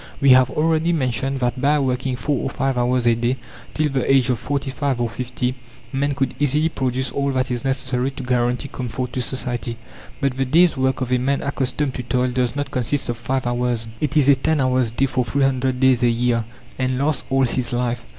We have already mentioned that by working 4 or 5 hours a day till the age of forty five or fifty, man could easily produce all that is necessary to guarantee comfort to society. But the day's work of a man accustomed to toil does not consist of 5 hours; it is a 10 hours' day for 300 days a year, and lasts all his life.